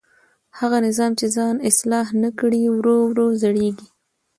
هغه نظام چې ځان اصلاح نه کړي ورو ورو زړېږي